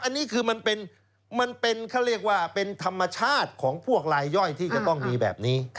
อันนี้คือมันเป็นเขาเรียกว่าเป็นธรรมชาติของพวกลายย่อยที่จะต้องมีแบบนี้